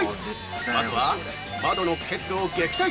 まずは、窓の結露を撃退！